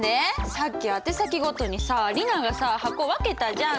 さっき宛先ごとにさ莉奈がさ箱分けたじゃん。